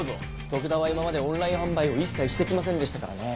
徳田は今までオンライン販売を一切して来ませんでしたからね。